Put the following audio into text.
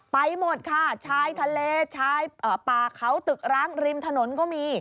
ไปหมดค่ะชายทะเลชายป่าเขาตึกร้างริมถนนก็มี